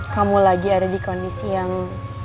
kamu lagi ada di kondisi yang